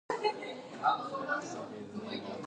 Colonel William Fenton died.